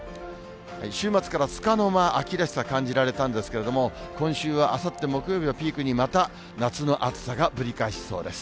週末からつかの間秋らしさ、感じられたんですけれども、今週はあさって木曜日をピークにまた、夏の暑さがぶり返しそうです。